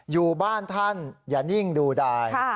อยู่บ้านท่านอย่านิ่งดูดาย